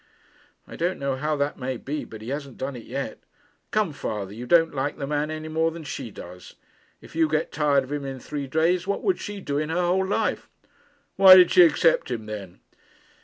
'I don't know how that may be, but he hasn't done it yet. Come, father; you don't like the man any more than she does. If you get tired of him in three days, what would she do in her whole life?' 'Why did she accept him, then?'